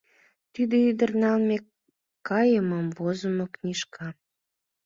Тиде ӱдыр налме-кайымым возымо книшка.